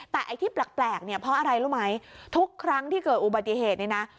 แต่ไอ้ที่แปลกเนี่ยเพราะอะไรรู้ไหมทุกครั้งที่เกิดอุบัติเหตุเนี่ยนะ